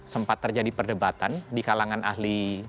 sempat terjadi perdebatan di kalangan ahli